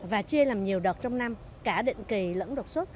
và chia làm nhiều đợt trong năm cả định kỳ lẫn đột xuất